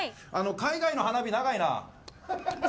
海外の花火、長いな。